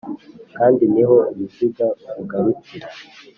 kandi niho uruziga rugarukira